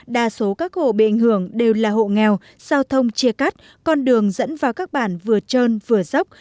đa số các hộ bị ảnh hưởng đều là hộ nghèo giao thông chia cắt con đường dẫn vào các bản vừa trơn vừa dốc